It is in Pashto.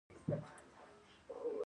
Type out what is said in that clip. مذهبي تفکیک یا جلاکونه هم رامنځته کوي.